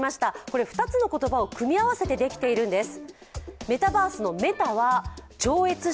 これ２つの言葉を組み合わせてできているんです。